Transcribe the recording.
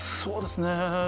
そうですね。